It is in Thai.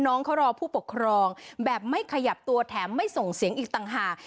น้องเขารอผู้ปกครองแบบไม่ขยับตัวแถมไม่ส่งเสียงอีกต่างหาก